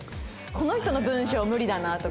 この人の文章無理だなとか。